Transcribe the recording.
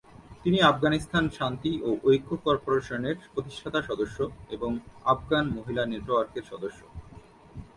তিনি আফগানিস্তান শান্তি ও ঐক্য কর্পোরেশনের প্রতিষ্ঠাতা সদস্য এবং আফগান মহিলা নেটওয়ার্কের সদস্য।